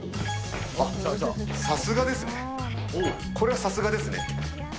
さすがですね。これはさすがですね。